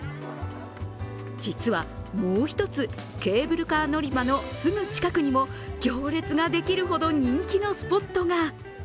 実は、もう一つ、ケーブルカー乗り場のすぐ近くにも行列ができるほど人気のスポットが。